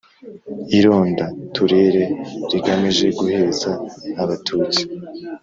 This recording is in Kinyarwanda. Ironda turere rigamije guheza Abatutsi